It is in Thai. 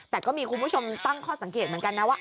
แต่ก็มีคุณผู้ชมตั้งข้อสังเกตเหมือนกันนะว่า